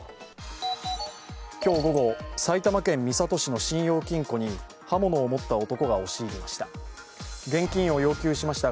今日午後、埼玉県三郷市の信用金庫に刃物を持った男が押し入りました。